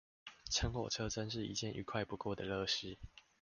乘火車真是一件愉快不過的樂事！